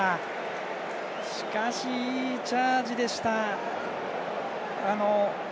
しかしいいチャージでした。